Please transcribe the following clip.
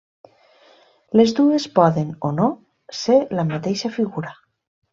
Les dues poden o no ser la mateixa figura.